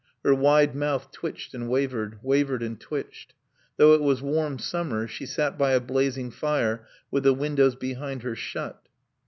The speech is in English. Her wide mouth twitched and wavered, wavered and twitched. Though it was warm summer she sat by a blazing fire with the windows behind her shut.